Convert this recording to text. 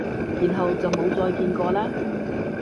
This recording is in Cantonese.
然後就冇再見過喇？